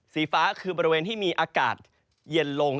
สีฟ้าคือบริเวณที่มีอากาศเย็นลง